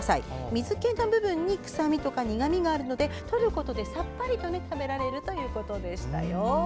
水けの部分に臭みとか苦みがあるので取ることでさっぱりと食べられるということでしたよ。